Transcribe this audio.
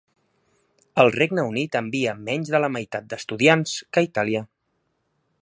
El Regne Unit envia menys de la meitat d'estudiants que Itàlia.